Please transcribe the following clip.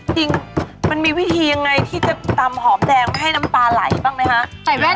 จริงมันมีวิธียังไงที่จะตำหอมแดงไม่ให้น้ำตาไหลบ้างไหมคะ